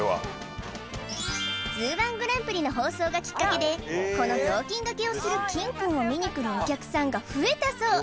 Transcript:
「ＺＯＯ−１グランプリ」の放送がきっかけでこの雑巾がけをするキンくんを見に来るお客さんが増えたそう